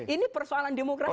ini persoalan demokrasi